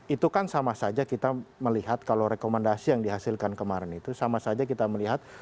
itu kan sama saja kita melihat kalau rekomendasi yang dihasilkan kemarin itu sama saja kita melihat